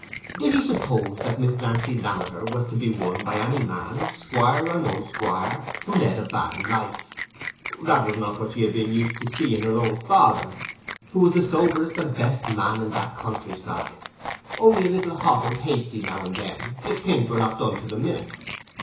Did he suppose that Miss Nancy Lammeter was to be won by any man, squire or no squire, who led a bad life? That was not what she had been used to see in her own father, who was the soberest and best man in that country side, only a little hot and hasty now and then, if things were not done to the minute.